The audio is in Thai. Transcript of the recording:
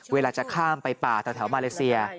เวลาจะข้ามไปป่าแถวมาเลเซีย